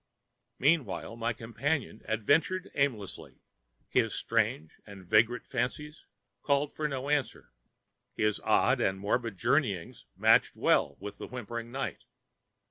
Meanwhile my companion adventured aimlessly, his strange and vagrant fancies calling for no answer, his odd and morbid journeyings matching well with the whimpering night.